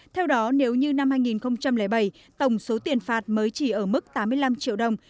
theo đó nếu như năm hai nghìn bảy tổng số tiền phạt mới chỉ ở mức tám mươi năm triệu đồng